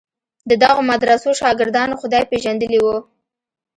د دغو مدرسو شاګردانو خدای پېژندلی و.